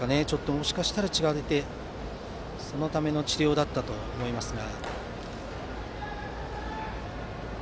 もしかしたら血が出てそのための治療だったかもしれません。